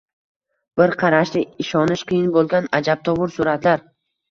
Bir qarashda ishonish qiyin bo‘lgan ajabtovur suratlar